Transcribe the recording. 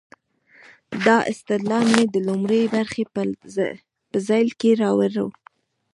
دا استدلال مې د لومړۍ برخې په ذیل کې راوړ.